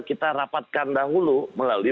kita rapatkan dahulu melalui